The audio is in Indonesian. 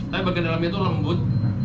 tapi bagian dalamnya itu lembut